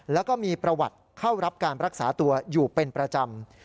แล้วก็มีประวัติเข้ารับการรักษาตัวอยู่เป็นประจำ